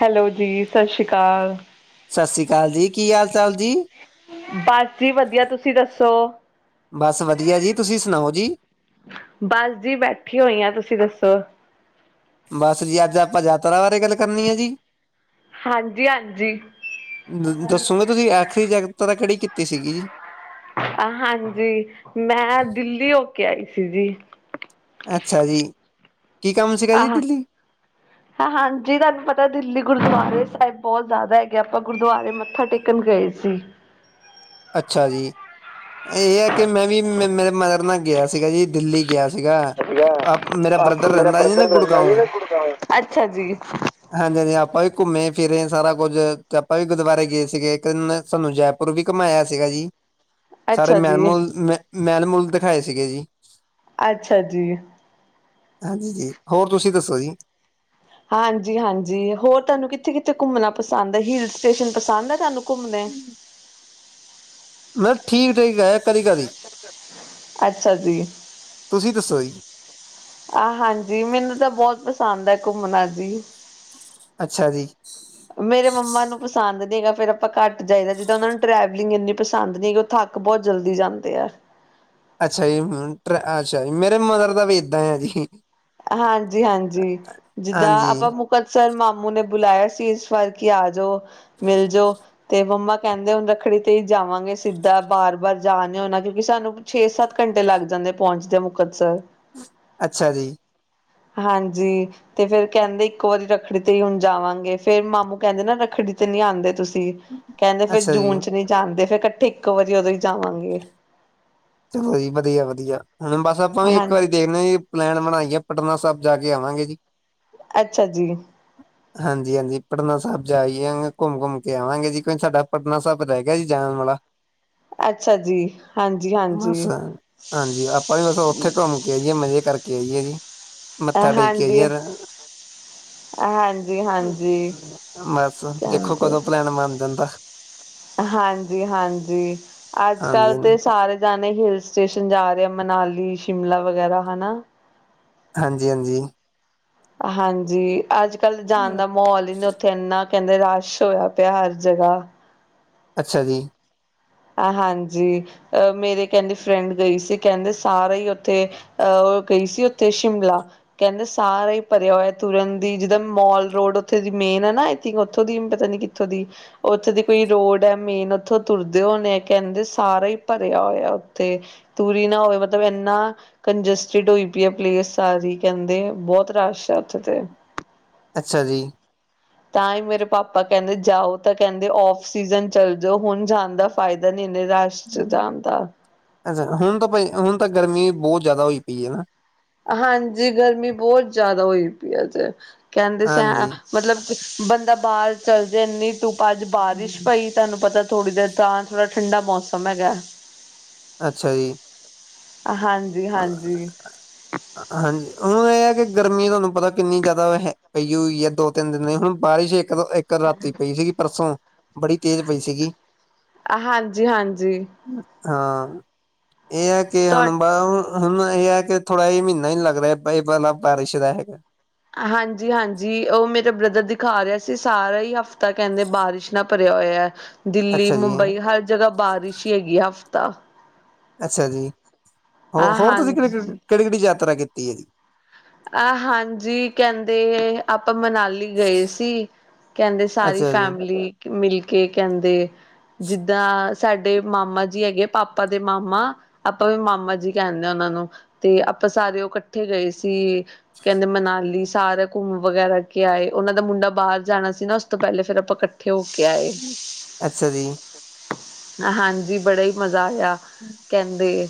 Hello ਜੀ ਸਤਿ ਸ਼੍ਰੀ ਅਕਾਲ। ਸਤਿ ਸ੍ਰੀ ਅਕਾਲ ਜੀ ਕੀ ਹਾਲ ਚਾਲ ਜੀ। ਬਸ ਜੀ ਵਧੀਆ ਤੁਸੀਂ ਦੱਸੋ। ਬਸ ਵਧੀਆ ਜੀ ਤੁਸੀਂ ਸੁਣਾਓ ਜੀ। ਬਸ ਜੀ ਬੈਠੀ ਹੋਈ ਹਾਂ ਤੁਸੀਂ ਦੱਸੋ। ਬਸ ਜੀ ਅੱਜ ਆਪਾਂ ਯਾਤਰਾ ਬਾਰੇ ਗੱਲ ਕਰਨੀ ਆ ਜੀ। ਹਾਂਜੀ ਹਾਂਜੀ ਦੱਸੋ ਨਾ ਤੁਸੀਂ ਆਖਰੀ [unintelligible] ਤਾਂ ਕਿਹੜੀ ਕੀਤੀ ਸੀਗੀ ਜੀ। ਹਾਂਜੀ ਮੈਂ ਦਿੱਲੀ ਹੋ ਕੇ ਆਈ ਸੀ ਜੀ। ਅੱਛਾ ਜੀ ਕੀ ਕੰਮ ਸੀਗਾ ਜੀ ਆਹ ਦਿੱਲੀ। ਹਾਂਜੀ ਤੁਹਾਨੂੰ ਪਤਾ ਦਿੱਲੀ ਗੁਰਦੁਆਰੇ ਸਾਹਿਬ ਬਹੁਤ ਜ਼ਿਆਦਾ ਹੈਗੇ ਆਪਾਂ ਗੁਰਦੁਆਰੇ ਮੱਥਾ ਟੇਕਣ ਗਏ ਸੀ। ਅੱਛਾ ਜੀ ਇਹ ਹੈ ਕਿ ਮੈਂ ਵੀ ਮੈਂ ਮੇਰੇ ਮਦਰ ਨਾਲ ਗਿਆ ਸੀਗਾ ਜੀ ਦਿੱਲੀ ਗਿਆ ਸੀਗਾ ਵਧੀਆ ਅ ਮੇਰਾ ਆਪ ਬ੍ਰਦਰ ਮੇਰਾ ਰਹਿੰਦਾ ਜੀ ਨਾ ਬ੍ਰਦਰ ਰਹਿੰਦਾ ਗੁੜਗਾਉ। ਜੀ ਨਾ ਗੁੜਗਾਉਂ ਅੱਛਾ ਜੀ ਹਾਂਜੀ ਹਾਂਜੀ ਆਪਾਂ ਵੀ ਘੁੰਮੇ ਫਿਰੇ ਸਾਰਾ ਕੁੱਝ ਆਪਾਂ ਵੀ ਗੁਰਦੁਆਰੇ ਗਏ ਸੀਗੇ ਇੱਕ ਦਿਨ ਸਾਨੂੰ ਜੈਪੁਰ ਵੀ। ਘਮਾਇਆ ਸੀਗਾ ਜੀ ਸਾਰੇ ਅੱਛਾ ਜੀ ਮੈਲਮੋਲ ਮੈਲਮੋਲ ਦਿਖਾਏ ਸੀਗੇ ਜੀ ਅੱਛਾ ਜੀ। ਹਾਂਜੀ ਜੀ ਹੋਰ ਤੁਸੀਂ ਦੱਸੋ ਜੀ। ਹਾਂਜੀ ਹਾਂਜੀ ਹੋਰ ਤੁਹਾਨੂੰ ਕਿੱਥੇ ਕਿੱਥੇ ਘੁੰਮਣਾ ਪਸੰਦ ਹੈ ਹਿਲ ਸਟੇਸ਼ਨ ਪਸੰਦ ਹੈ ਤੁਹਾਨੂੰ। ਘੁੰਮਦੇ। ਮਤਲਬ ਠੀਕ ਠੀਕ ਹੈ। ਕਦੀ ਕਦੀ ਅੱਛਾ ਜੀ। ਤੁਸੀਂ ਦੱਸੋ ਜੀ ‌ ਆਹ ਹਾਂਜੀ ਮੈਨੂੰ ਤਾਂ ਬਹੋਤ ਪਸੰਦ ਆ ਘੁੰਮਨਾ ਜੀ। ਅੱਛਾ ਜੀ। ਮੇਰੇ ਮੰਮਾ ਨੂੰ ਪਸੰਦ ਨਹੀਂ ਹੈਗਾ ਫਿਰ ਆਪਾਂ ਘੱਟ ਜਾਈਦਾ ਜਿੱਦਾਂ ਉਹਨਾ ਨੂੰ ਟ੍ਰੈਵਲਿੰਗ ਇੰਨੀ ‌। ਪਸੰਦ ਨੀ ਓਹ ਥੱਕ ਬਹੋਤ ਜਲਦੀ ਜਾਂਦੇ ਆ। ਅੱਛਾ ਜੀ ਅੱਛਾ ਜੀ ਮੇਰੇ ਮਦਰ ਦਾ ਵੀ ਏਦਾਂ ਆ ਜੀ। ਹਾਂਜੀ ਹਾਂਜੀ ਜਿੱਦਾਂ ਹਾਂਜੀ ਆਪਾਂ ਮੁ ‌‌। [unintelligible] ਸਰ ਮਾਮੂ ਨੇ ਬੁਲਾਇਆ ਸੀ ਇਸ ਵਾਰ ਕੀ ਆ ਜਾਓ ਮਿਲ ਜੋੋ ਤੇ ਮੰਮਾ ‌। ਕਹਿੰਦੇ ਹੁਨ ਰੱਖੜੀ ਤੇ ਹੀ ਜਾਵਾਂਗੇ ਸਿੱਧਾ ਬਾਰ ਬਾਰ ਜਾ ਨੀ ਹੋ ਨਾ ਕਿਉਂਕਿ ਸਾਨੂੰ ਛੇ ਸੱਤ ਘੰਟੇ ਲੱਗ ਜਾਂਦੇ ਪਹੁੰਚਦੇ ਮੁਕਤਸਰ। ਅੱਛਾ ਜੀ। ਹਾਂਜੀ। ਤੇ ਫੇਰ ਕਹਿੰਦੇ ਇੱਕ ਵਾਰੀ ਰੱਖੜੀ ਤੇ ਹੁਨ ਜਾਵਾਂਗੇ ਫੇਰ ਮਾਮੂ ਕਹਿੰਦੇ ਨਾ ਰੱਖੜੀ ਤੇ ਨੀ ਆਂਦੇ ਤੁਸੀਂ। ਕਹਿੰਦੇ ਫੇਰ ਅੱਛਾ ਜੀ ਜੂਨ ਚ ਨੀ ਜਾਂਦੇ ਫਿਰ ਇਕੱਠੇ ਇੱਕੋ ਵਾਰੀ ਉਦੋਂ ਹੀ ਜਾਵਾਂਗੇ। ਚਲੋ ਜੀ ਵਧੀਆ ਵਧੀਆ ਹੁਣ ਬਸ ਆਪਾਂ ਵੀ ਹਾਂ ਇੱਕ ਵਾਰੀ ਦੇਖਦੇ ਹ ਜੀ। ਪਲੈਨ ਬਣਾਈਏ ਪਟਨਾ ਸਹਾਬ ਜਾ ਕੇ ਆਵਾਂ ਗੇ ਜੀ। ਅੱਛਾ ਜੀ। [unintelligible] [inaudible] ਹਾਂਜੀ ਹਾਂਜੀ ਪਟਨਾ ਸਹਾਬ ਜਾਈ ਘੁੰਮ ਘੁੰਮ ਕੇ ਆਵਾਂਗੇ ਜੀ ਕਿਉਂ ਸਾਡਾ ਪਟਨਾ ਸਾਹਿਬ ਰਹਿ ਗਿਆ ਜੀ ਜਾਨ ਵਾਲਾ। ਅੱਛਾ ਜੀ। ਹਾਂਜੀ ਬਸ ਹਾਂਜੀ ਹਾਂਜੀ ਆਪਾਂ ਵੀ ਬਸ ਓਥੇ ਘੁੰਮ ਕੇ ਆਈਏ ਮਜ਼ੇ ਕਰਕੇ ਆਈਏ ਜੀ। ਮੱਥਾ ਟੇਕਿ ਹਾਂਜੀ ਆਈ [unintelligible] ਰ। ਹਾਂਜੀ ਹਾਂਜੀ ਬਸ ਦੇਖੋ ਕਹਿੰਦੇ ਕਦੋਂ ਪਲੈਣ ਮੰਨ ਜਾਂਦਾ। ਹਾਂਜੀ ਹਾਂਜੀ ਅੱਜ ਹਾਂਜੀ ਕਲ ਹਾਂਜੀ ਤੇ ਸਾਰੇ ਜਾਨੇ ਹਿਲਸ। ਸਟੇਸ਼ਨ ਜਾ ਰਿਹਾ ਮਨਾਲੀ ਸ਼ਿਮਲਾ ਵਗੈਰਾ ਹਨਾ। ਹਾਂਜੀ, ਹਾਂਜੀ। ਹਾਂਜੀ ਅੱਜ ਕੱਲ ਜਾਨ ਦਾ ਮਾਹੋਲ ਹੀ ਨੀ ਉੱਥੇ ਐਨਾ ਕਹਿੰਦੇ ਰਸ਼ ਹੋਇਆ ਪਿਆ, ਹਰ ਜਗ੍ਹਾ ਅੱਛਾ ਜੀ, ਹਾਂਜੀ, ਅਹ ਮੇਰੇ ਕਹਿੰਦੇ ਫਰੈਂਡ ਗਈ ਸੀ ਕਹਿੰਦੇ ਸਾਰੇ ਹੀ ਉਥੇ ਅਹ ਉਹ ਗਈ ਸੀ। ਉੱਥੇ ਸ਼ਿਮਲਾ ਕਹਿੰਦੇ ਸਾਰਾ ਹੀ ਭਰਿਆ ਹੋਇਆ ਤੁਰਨ ਦੀ, ਜਿੱਦਾਂ ਮੋਲ ਰੋਡ ਉੱਥੇ ਦੀ ਮੇਨ ਹੈ ਨਾ ਆਈ ਥਕ ਉੱਥੋਂ ਦੀ ਪਤਾ ਨੀ। ਉੱਥੋਂ ਦੀ ਉੱਥੋਂ ਦੀ ਕੋਈ ਰੋਡ ਹੈ ਮੇਨ ਉੱਥੋਂ ਤੁਰ ਹੋਨੇ ਕਹਿੰਦੇ ਸਾਰਾ ਹੀ ਭਰਿਆ ਹੋਇਆ ਉੱਥੇ ਤੂਰੀ ਨਾ ਹੋਵੇ ਮਤਲਬ ਐਨਾ ਕੰਜਸਟਿਡ ਹੋਈ ਪਈ ਆ ਪਲੇਸ ਸਾਰੀ ਕਹਿੰਦੇ ਬਹੋਤ ਰਸ਼ ਆ ਉੱਥੇ ਤੇ। ਅੱਛਾ ਜੀ ਤਾਂ ਹੀ ਮੇਰੇ ਪਾਪਾ ਕਹਿੰਦੇ ਜਾਓ ਤਾਂ ਕਹਿੰਦੇ ਓਫ ਸੀਜਨ ਚੱਲ ਜਓ ਹੁਨ ਜਾਨ ਦਾ ਫਾਇਦਾ ਨ ਏਨੇ ਰਾਸ਼। ਜਾਨਦਾਂ ਹੁਨ ਤਾਂ ਹੁਨ ਤਾਂ ਗਰਮੀ ਬਹੋਤ ਜਆਦਾ ਹੋਈ ਪਈ ਆ ਨਾ। ਹਾਂਜੀ ਗਰਮੀ ਬਹੋਤ ਜਆਦਾ ਹੋਈ ਪਈ ਅਜੇ ਕਹਿੰਦੇ ਸ ਹਾਂਜੀ। ਮਤਲਬ ਬੰਦਾ ਬਾਹਰ ਚਲ ਜੇ ਇੰਨੀ ਧੂੱਪਾ ਅੱਜ ਬਾਰਿਸ਼ ਪਈ। ਤੁਹਾਨੂੰ ਪਤਾ ਥੋੜ੍ਹੀ ਦੇਰ ਤਾਂ ਥੋੜਾ ਠੰਡਾ ਮੌਸਮ ਹੈਗਾ। ਅੱਛਾ ਜੀ ਹਾਂ [unintelligible] ਹਾਂਜੀ ਹੁਨ ਇਹ ਹੈ ਕਿ ਗਰਮੀ ਤੁਹਾਨੂੰ ਪਤਾ ਕਿੰਨੀ ਜ਼ਿਆਦਾ ਪਈ ਹੋਈ ਐ ਦੋ ਤਿੰਨ ਦਿਨ ਦੀ ਹੁਣ ਬਾਰਿਸ਼ ਇੱਕ- ਇੱਕ ਰਾਤੀ ਪਈ ਸੀਗੀ ਪਰਸੋਂ ਬੜੀ ਤੇਜ਼ ਪਈ ਸੀਗੀ। ਹਾਂਜੀ-ਹਾਂਜੀ। ਹਾਂ, ਇਹ ਹੈ ਕਿ ਤੁਹਾ ਅਨਬਨ, ਹੁਣ ਇਹ ਹੈ ਕਿ ਥੋੜਾ ਜਿ ਮਹੀਨਾ ਹੀ ਲੱਗ ਰਿਹਾ, ਇਹ ਵਾਲਾ ਬਾਰਿਸ਼ ਦਾ ਹੈਗਾ। ਹਾਂਜੀ-ਹਾਂਜੀ, ਉਹ ਮੇਰਾ ਬ੍ਰਦਰ ਦਿਖਾ ਰਿਹਾ ਸੀ। ਸਾਰਾ ਹੀ ਹਫ਼ਤਾ ਕਹਿੰਦੇ ਬਾਰਿਸ਼, ਨਾਲ ਭਰਿਆ ਹੋਇਆ। ਦਿੱਲੀ, ਅੱਛਾ ਜੀ, ਮੁੰਬਈ ਹਰ ਜਗਾ ਬਾਰਿਸ਼ ਹੀ ਹੈਗੀ ਆ, ਹਫ਼ਤਾ। ਅੱਛਾ ਜੀ, ਹੋ ਹਾਂ ਹੋਰ ਤੁਸੀਂ ਕਿੜੀ ਹਾਂਜੀ ਕਿਹੜੀ- ਕਿਹੜੀ ਯਾਤਰਾ ਕੀਤੀ ਹੈ ਜੀ। ਆਹ ਹਾਂਜੀ, ਕਹਿੰਦੇ ਆਪਾਂ ਮਨਾਲੀ ਗਏ ਸੀ। ਕਹਿੰਦੇ ਸਾਰੀ ਅੱਛਾ ਜੀ, ਫੈਮਲੀ ਮਿਲ ਕੇ ਕਹਿੰਦੇ। ਜਿੱਦਾਂ ਸਾਡੇ ਮਾਮਾ ਜੀ ਹੈਗੇ ਆ। ਪਾਪਾ ਦੇ ਮਾਮਾ ਆਪਾਂ ਵੀ ਮਾਮਾ ਜੀ ਕਹਿੰਦੇ ਹਾਂ ਉਹਨਾਂ ਨੂੰ, ਤੇ ਆਪਾਂ ਸਾਰੇ ਉਹ ਇਕੱਠੇ ਗਏ ਸੀ। ਜੀ ਕਹਿੰਦੇ, ਮਨਾਲੀ ਸਾਰਾ ਘੁੰਮ ਵਗੈਰਾ ਕੇ ਆਏ, ਉਹਨਾਂ ਦਾ ਮੁੰਡਾ ਬਾਹਰ ਜਾਣਾ ਸੀ ਨਾ। ਉਸ ਤੋਂ ਪਹਿਲੇ ਫੇਰ ਆਪਾਂ ਕੱ- ਕੇ ਹੋ ਕੇ ਆਏ, ਅੱਛਾ ਜੀ। ਹਾਂਜੀ ਬੜਾ ਹੀ। ਮਜ਼ਾ ਆਇਆ, ਕਹਿੰਦੇ-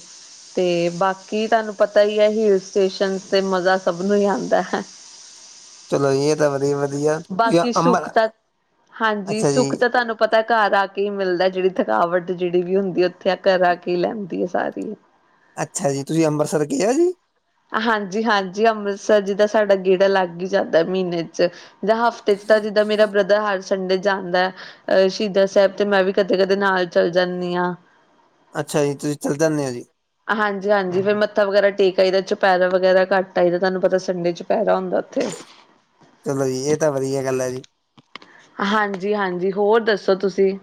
ਤੇ ਬਾਕੀ ਤੁਹਾਨੂੰ ਪਤਾ ਹੀ ਹੈ, ਹਿਲ ਸਟੇਸ਼ਨ ਤੇ ਮਜ਼ਾ ਸਭ ਨੂੰ ਹੀ ਆਉਂਦਾ ਹੈ। ਚਲੋ ਜੀ ਇਹ ਤਾਂ ਵਧੀਆ ਵਧੀਆ ਤੁਸੀਂ ਬਾਕੀ ਅੰਬਰ ਸੁੱਖ ਤਾਂ ਹਾਂਜੀ ਅੱਛਾ ਜੀ ਸੁੱਖ ਤਾਂ ਤੁਹਾਨੂੰ ਪਤਾ ਘਰ ਆ ਕੇ ਹੀ ਮਿਲਦਾ, ਜਿਹੜੀ ਥਕਾਵਟ ਜਿਹੜੀ ਵੀ ਹੁੰਦੀ ਉੱਥੇ ਆ ਘਰ ਆ ਕੇ ਹੀ ਲੈਂਦੀ ਹੈ ਸਾਰੀ। ਅੱਛਾ ਜੀ, ਤੁਸੀਂ ਅੰਮ੍ਰਿਤਸਰ ਗਏ ਹੋ ਜੀ? ਹਾਂਜੀ- ਹਾਂਜੀ ਅੰਮ੍ਰਿਤਸਰ ਜਿਦਾ ਸਾਡਾ ਗੇੜਾ ਲੱਗ ਹੀ ਜਾਂਦਾ ਮਹੀਨੇ ਚ। ਜਾਂ ਹਫ਼ਤੇ ਚ ਤਾਂ ਜਿੱਦਾਂ ਮੇਰਾ ਬ੍ਰਦਰ ਹਰ ਸੰਡੇ ਜਾਂਦਾ ਹੈ ਅ ਸ਼ਹੀਦਾਂ ਸਾਹਿਬ ਤੇ ਮੈਂ ਵੀ ਕਦੇ- ਕਦੇ ਨਾਲ ਚੱਲ ਜਾਂਦੀ ਹਾਂ। ਅੱਛਾ ਜੀ, ਤੁਸੀਂ ਚਲ ਜਾਨੇ ਹੋ ਜੀ। ਹਾਂਜੀ- ਹਾਂਜੀ ਫੇਰ ਮੱਥਾ ਵਗੈਰਾ ਟੇਕ ਆਈਦਾ ਚੁਪ ਪੈਰਾ ਵਗੈਰਾ ਕੱਟ ਆਈ ਦਾ ਤੁਹਾਨੂੰ ਪਤਾ ਸੰਡੇ ਚੁਪਹਿਰਾ ਹੁੰਦਾ ਉੱਥੇ। ਚਲੋ ਜੀ ਇਹ ਤਾਂ ਵਧੀਆ ਗੱਲ ਹੈ ਜੀ। ਹਾਂਜੀ- ਹਾਂਜੀ ਹੋਰ ਦੱਸੋ ਤੁਸੀਂ?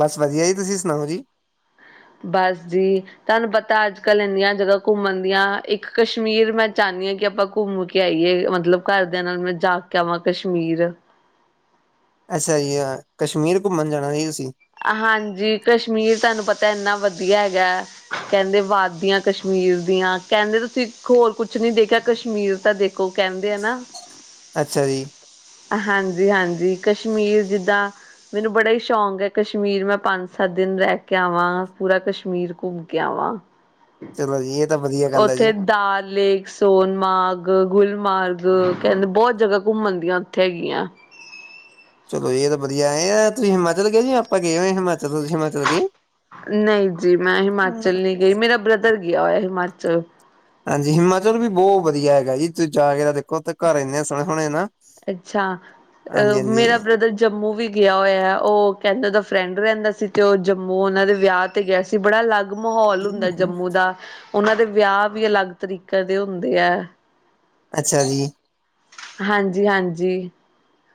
ਬਸ ਵਧੀਆ ਜੀ, ਤੁਸੀਂ ਸੁਣਾਓ ਜੀ? ਬਸ ਜੀ। ਤੁਹਾਨੂੰ ਪਤਾ ਅੱਜ ਕੱਲ ਇੰਨੀਆਂ ਜਗਾ ਘੁੰਮਣ ਦੀਆਂ ਇੱਕ ਕਸ਼ਮੀਰ ਮੈਂ ਚਾਹੁੰਦੀ ਹਾਂ ਕਿ ਆਪਾਂ ਘੁੰਮ ਕੇ ਆਈਏ, ਮਤਲਬ ਘਰਦਿਆਂ ਨਾਲ ਮੈਂ ਜਾ ਕੇ ਆਵਾਂ ਕਸ਼ਮੀਰ। ਅੱਛਾ ਜੀ ਕਸ਼ਮੀਰ ਘੁੰਮਣ ਜਾਣਾ ਜੀ ਤੁਸੀਂ। ਹਾਂਜੀ ਕਸ਼ਮੀਰ ਤੁਹਾਨੂੰ ਪਤਾ ਇੰਨਾ ਵਧੀਆ ਹੈਗਾ। ਕਹਿੰਦੇ ਵਾਧਦੀਆਂ ਕਸ਼ਮੀਰ ਦੀਆਂ, ਕਹਿੰਦੇ ਤੁਸੀਂ ਹੋਰ ਕੁਛ ਨਹੀਂ ਦੇਖਿਆ ਕਸ਼ਮੀਰ ਤਾਂ ਦੇਖ। ਖੋ ਕਹਿੰਦੇ ਆ ਨਾ। ਅੱਛਾ ਜੀ। ਹਾਂਜੀ- ਹਾਂਜੀ ਕਸ਼ਮੀਰ ਜਿੱਦਾਂ ਮੈਨੂੰ ਬੜਾ ਹੀ ਸ਼ੌਂਕ ਹੈ ਕਸ਼ਮੀਰ ਮੈਂ ਪੰਜ- ਸੱਤ ਦਿਨ ਰਹਿ ਕੇ ਆਵਾਂ ਪੂਰਾ ਕਸ਼ਮੀਰ ਘੁੰਮ ਕੇ ਆਵਾਂ, ਚਲੋ ਜੀ ਇਹ ਤਾਂ ਵਧੀਆ ਗੱਲ ਹੈ ਉੱਥੇ ਜੀ ਦਾਲ ਲੇਕਸ ਸੋਨਮਾਰਗ, ਗੁਲਮਾਰਗ ਕਹਿੰਦੇ ਬਹੁਤ ਜਗਾ ਘੁੰਮਣ ਦੀਆਂ ਉੱਥੇ ਹੈਗੀਆਂ। ਚਲੋ ਇਹ ਤਾਂ ਵਧੀਆ, ਐ ਹਾ ਤੁਸੀਂ ਹਿਮਾਚਲ ਗਏ ਜੀ ਆਪਾਂ ਗਏ ਹੋਏ ਹਿਮਾਚਲ, ਤੁਸੀਂ ਹਿਮਾਚਲ ਗਏ? ਨਹੀਂ ਜੀ, ਮੈਂ ਹਿਮਾਚਲ ਨਹੀਂ ਗਈ ਮੇਰਾ ਬ੍ਰਦਰ ਗਿਆ ਹੋਇਆ ਹਿਮਾਚਲ। ਹਾਂਜੀ ਹਿਮਾਚਲ ਵੀ ਬਹੁਤ ਵਧੀਆ ਹੈਗਾ ਜੀ, ਤੁਸੀਂ ਜਾ ਕੇ ਤਾਂ ਉਥੇ ਘਰ ਇਨੇ ਸੋਹਣੇ- ਸੋਹਣੇ ਨਾ, ਅੱਛਾ ਅ ਹਾਂਜੀ- ਹਾਂਜੀ। ਮੇਰਾ ਬ੍ਰਦਰ ਜੰਮੂ ਵੀ ਗਿਆ ਹੋਇਆ ਉਹ ਕਹਿੰਦੇ ਉਹਦਾ ਫਰੈਂਡ ਰਹਿੰਦਾ ਸੀ ਤੇ ਉਹ ਜੰਮੂ ਉਹਨਾਂ ਦੇ ਵਿਆਹ ਤੇ ਗਿਆ ਸੀ ਬੜਾ ਅਲੱਗ ਮਾਹੌਲ ਹੁੰਦਾ ਜੰਮੂ ਦਾ, ਉਹਨਾਂ ਦੇ ਵਿਆਹ ਵੀ ਅਲੱਗ ਤਰੀਕੇ ਦੇ ਹੁੰਦੇ ਹੈ। ਅੱਛਾ ਜੀ। ਹਾਂਜੀ- ਹਾਂਜੀ।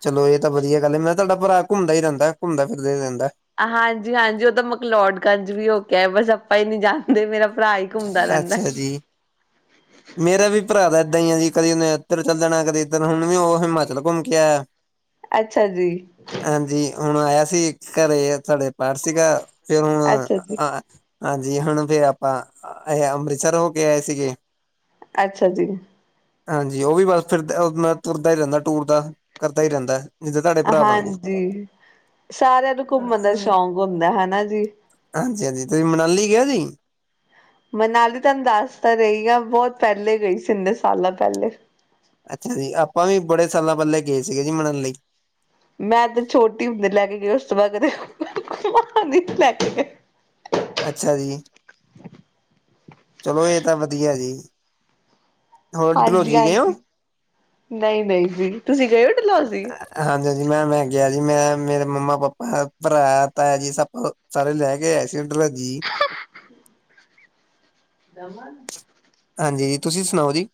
ਚਲੋ ਇਹ ਤਾਂ ਵਧੀਆ ਗੱਲ ਹੈ, ਮੈਂ ਤੁਹਾਡਾ ਭਰਾ ਘੁੰਮਦਾ ਹੀ ਰਹਿੰਦਾ, ਘੁੰਮਦਾ ਫਿਰਦਾ ਹੀ ਰਹਿੰਦਾ। ਹਾਂਜੀ- ਹਾਂਜੀ ਉਹ ਤਾਂ ਮਕਲੋਡਗੰਜ ਵੀ ਹੋ ਕੇ ਆਯਾ ਬਸ ਆਪਾਂ ਈ ਨੀ ਜਾਣਦੇ, ਮੇਰਾ ਭਰਾ ਹੀ ਘੁੰਮਦਾ ਰਹਿੰਦਾ। ਅੱਛਾ ਜੀ। ਮੇਰਾ ਵੀ ਭਰਾ ਤਾਂ ਇਏਦਾਂ ਹੀ ਆ ਜੀ ਕਦੇ ਉਹਨੇ ਇੱਧਰ ਚੱਲ ਜਾਣਾ ਕਦੇ ਇੱਧਰ ਹੁਣ ਵੀ ਉਹ ਹਿਮਾਚਲ ਘੁੰਮ ਕੇ ਆਇਆ। ਅੱਛਾ ਜੀ। ਹਾਂਜੀ ਹੁਣ ਆਇਆ ਸੀ ਘਰੇ ਤੁਹਾਡੇ, ਪਾਠ ਸੀਗਾ ਫੇਰ ਹੁਣ ਅੱਛਾ ਜੀ, ਹਾਂਜੀ ਹੁਣ ਫੇਰ ਆ- ਤਾਂ ਇਹ ਅੰਮ੍ਰਿਤਸਰ ਹੋ ਕੇ ਆਏ ਸੀਗੇ। ਅੱਛਾ ਜੀ। ਹਾਂਜੀ ਉਹ ਵੀ ਬਸ ਫਿਰਦਾ ਤੁਰਦਾ ਹੀ ਰਹਿੰਦਾ ਟੂਰ ਦਾ, ਕਰਦਾ ਹੀ ਰਹਿੰਦਾ। ਜਿੱਦਾਂ ਤੁਹਾਡੇ ਭਰਾ ਵਾਂਗੂ। ਹਾਂਜੀ ਸਾਰਿਆਂ ਨੂੰ ਘੁੰਮਣ ਦਾ ਸ਼ੌਕ ਹੁੰਦਾ, ਹਨਾ ਜੀ। ਹਾਂਜੀ- ਹਾਂਜੀ ਤੁਸੀਂ ਮਨਾਲੀ ਗਏ ਜੀ? ਮਨਾਲੀ ਤੁਹਾਨੂੰ ਦੱਸ ਤਾਂ ਰਹੀ ਆ, ਬਹੁਤ ਪਹਿਲੇ ਗਈ ਸੀ ਇੰਨੇ ਸਾਲਾਂ ਪਹਿਲੇ। ਅੱਛਾ ਜੀ, ਆਪਾਂ ਵੀ ਬੜੇ ਸਾਲਾਂ ਪਹਿਲੇ ਗਏ ਸੀਗੇ ਜੀ ਮੰਨਾਲੀ। ਮੈਂ ਤੇ ਛੋਟੀ ਹੁੰਦੇ ਲੈ ਕੇ ਗਈ ਉਸ ਤੋਂ ਬਾਅਦ ਕਦੇ ਘੁਮਾਨ ਨੀ ਲੈ ਕੇ ਗਏ। ਅੱਛਾ ਜੀ, ਚਲੋ ਇਹ ਤਾਂ ਵਧੀਆ ਜੀ। ਹੋਰ ਡਲਹੋਜੀ ਗਏ ਹੋ? ਹਾਂਜੀ-ਹਾਂਜੀ, ਨਹੀਂ- ਨਹੀਂ ਵੀ ਤੁਸੀਂ ਗਏ ਹੋ ਡਲਹੋਜੀ? ਹਾਂਜੀ-ਹਾਂਜੀ, ਮੈਂ- ਮੈਂ ਗਿਆ ਜੀ, ਮੈਂ, ਮੇਰੇ ਮੰਮਾ- ਪਾਪਾ ਭਰਾ, ਤਾਇ ਜੀ ਸਭ। ਸਾਰੇ ਲੈ ਕੇ ਆਏ ਸੀ ਡਲਹੋਜੀ। ਦਮਨ। ਹਾਂਜੀ ਤੁਸੀਂ ਸੁਣਾਓ ਜੀ?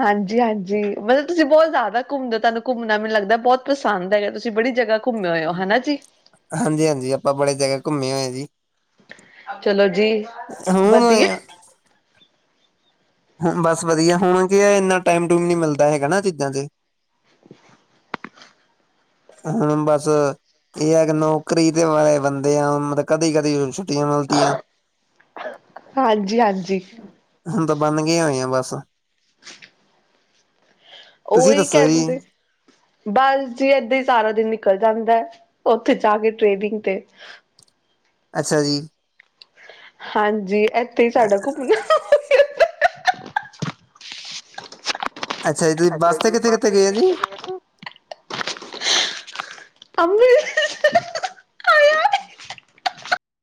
ਹਾਂਜੀ- ਹਾਂਜੀ ਮਤਲਬ ਤੁਸੀਂ ਬਹੁਤ ਜ਼ਿਆਦਾ ਘੁੰਮਦੇ ਹੋ ਤੁਹਾਨੂੰ ਘੁੰਮਣਾ ਮੈਨੂੰ ਲੱਗਦਾ ਬਹੁਤ ਪਸੰਦ ਹੈਗਾ। ਤੁਸੀਂ ਬੜੀ ਜਗਾ ਘੁੰਮੇ ਹੋਏ ਹੋ, ਹਨਾ ਜੀ। ਹਾਂਜੀ-ਹਾਂਜੀ ਆਪਾਂ ਬੜੇ ਜਗਾ ਘੁੰਮੇ ਹੋਏ ਹ ਜੀ। ਚਲੋ ਜੀ, ਵਧੀਆ। ਹੁਣ ਹ ਬਸ ਵਧੀਆ ਹੁਣ ਕੀ ਇਨਾ ਟਾਈਮ ਟੂਮ ਨੀ ਮਿਲਦਾ ਹੈਗਾ ਨਾ ਚੀਜ਼ਾਂ ਤੇ। ਹੁਣ ਬਸ ਇਹ ਹੈ ਕਿ ਨੌਕਰੀ ਦੇ ਵਾਲੇ ਬੰਦੇ ਆ ਮਤਲਬ ਕਦੀ- ਕਦੀ ਹੁਣ ਛੂ- ਟੀਆਂ ਰੋਟੀਆਂ। ਹਾਂਜੀ-ਹਾਂਜੀ। ਹੁਣ ਤਾਂ ਬਣ ਗਏ ਹੋਈਆਂ ਬਸ। ਤੁਸੀਂ ਉਹੀ ਦੱਸੋ ਜੀ ਕਹਿੰਦੇ ਬਸ ਜੀ ਏਦਾਂ ਹੀ ਸਾਰਾ ਦਿਨ। ਨਿਕਲ ਜਾਂਦਾ ਉੱਥੇ ਜਾ ਕੇ ਟ੍ਰੇਨਿੰਗ ਤੇ। ਅੱਛਾ ਜੀ। ਹਾਂਜੀ ਇੱਥੇ ਹੀ ਸਾਡਾ ਘੁੰਮਣਾ। ਅੱਛਾ ਜੀ ਤੁਸੀਂ ਬੱਸ ਤੇ ਕਿਥੇ- ਕਿੱਥੇ ਗਏ ਹੈ ਸੀ। ਅੰਮ੍ਰਿਤ-